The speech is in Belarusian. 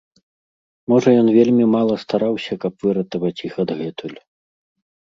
Можа ён вельмі мала стараўся, каб выратаваць іх адгэтуль!